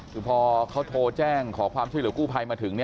คือพอเขาโทรแจ้งขอความช่วยเหลือกู้ภัยมาถึง